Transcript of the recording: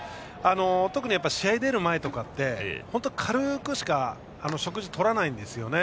特に試合に出る前とかって本当に軽くしか食事をとらないんですよ。